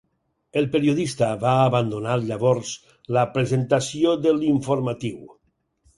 El periodista va abandonar llavors la presentació de l'informatiu.